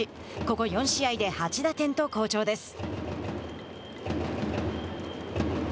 ここ４試合で８打点と好調です。